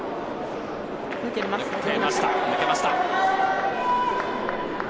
抜けました。